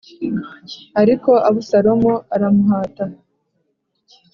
Ariko Abusalomu aramuhata